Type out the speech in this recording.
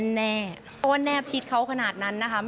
แน่เพราะว่าแนบชิดเขาขนาดนั้นนะคะ